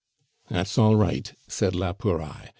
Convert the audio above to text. "That's all right," said la Pouraille.